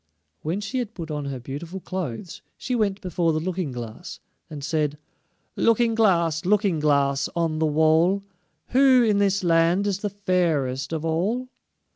When she had put on her beautiful clothes, she went before the Looking glass, and said: "Looking glass, Looking glass, on the wall, Who in this land is the fairest of all?"